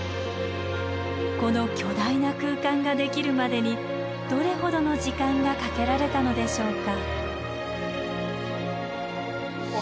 この巨大な空間ができるまでにどれほどの時間がかけられたのでしょうか。